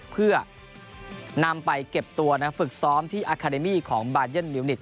เพื่อนำไปเก็บตัวฝึกซ้อมที่อาคาเดมี่ของบายันมิวนิกส